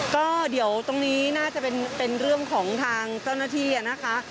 ก็เดี๋ยวตรงนี้น่าจะเป็นเรื่องของทางเจ้าหน้าที่นะคะ